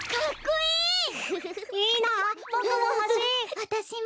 わたしも。